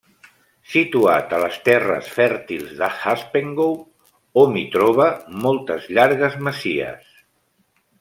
Situat a les terres fèrtils d'Haspengouw, hom hi troba moltes llargues masies.